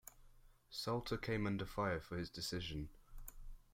Salter came under fire for his decision.